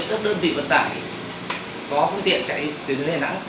hoặc là chạy chậm